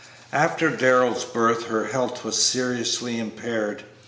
After Darrell's birth her health was seriously impaired.